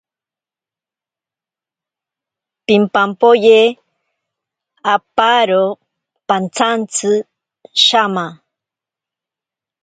Pimpampoye aparo pantsantsi shama.